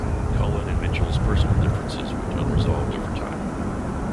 Cullen and Mitchell's personal differences went unresolved over time.